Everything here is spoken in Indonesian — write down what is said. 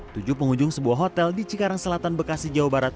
tujuh pengunjung sebuah hotel di cikarang selatan bekasi jawa barat